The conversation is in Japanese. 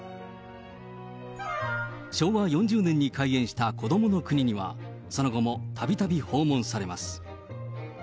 昭和４０年に開園したこどもの国には、その後もたびたび訪問されます。